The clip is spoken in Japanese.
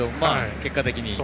結果的に。